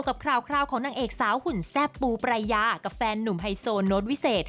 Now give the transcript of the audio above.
กับคราวของนางเอกสาวหุ่นแซ่บปูปรายากับแฟนหนุ่มไฮโซโน้ตวิเศษ